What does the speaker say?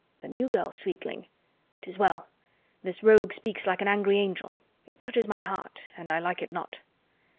"The New Girl, sweetling? 'Tis well. This rogue speaks like an angry angel. It touches my heart and I like it not."